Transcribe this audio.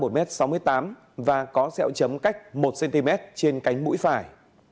đặc điểm nhận dạng đối tượng cao một m sáu mươi tám và có xeo chấm cách một cm trên cánh mũi phải